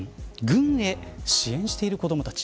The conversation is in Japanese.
軍へ支援している子どもたち。